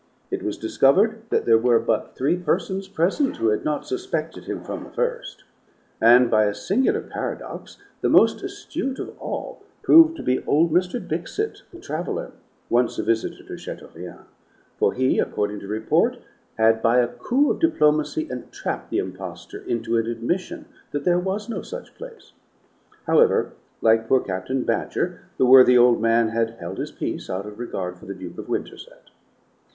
It was discovered that there were but three persons present who had not suspected him from the first; and, by a singular paradox, the most astute of all proved to be old Mr. Bicksit, the traveler, once a visitor at Chateaurien; for he, according to report, had by a coup of diplomacy entrapped the impostor into an admission that there was no such place. However, like poor Captain Badger, the worthy old man had held his peace out of regard for the Duke of Winterset.